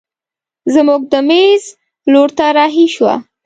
زموږ د مېز لور ته رارهي شوه.